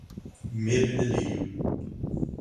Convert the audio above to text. Medo e delírio